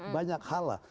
banyak hal lah